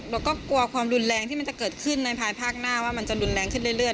เราก็กลัวความรุนแรงที่มันจะเกิดขึ้นในภายภาคหน้าว่ามันจะรุนแรงขึ้นเรื่อย